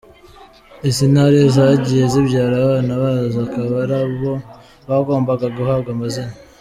Izi Ntare zagiye zibyara, abana bazo akaba aribo bagombaga guhabwa amazina.